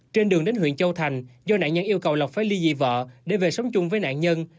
trên đường đến huyện châu thành do nạn nhân yêu cầu lộc phải ly dị vợ để về sống chung với nạn nhân